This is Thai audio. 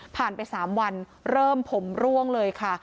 ไป๓วันเริ่มผมร่วงเลยค่ะ